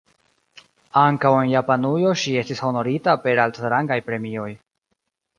Ankaŭ en Japanujo ŝi estis honorita per altrangaj premioj.